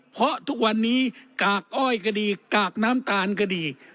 เพราะทุกวันนี้กากอ้อยก็ดีกากน้ำตาลก็ดี